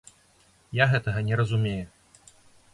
Я гэтага не разумею.